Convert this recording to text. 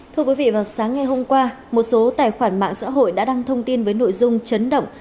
thưa quý vị vào sáng ngày hôm qua một số tài khoản mạng xã hội đã đăng thông tin với nội dung chấn động